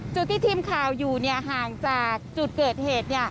จุดที่ทีมข่าวอยู่ห่างจากจุดเกิดเหตุ